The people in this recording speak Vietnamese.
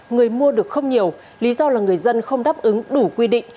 người mua được không nhiều lý do là người dân không đáp ứng đủ quy định